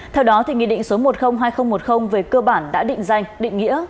theo đó nghị định số một trăm linh hai nghìn một mươi về cơ bản đã định danh định nghĩa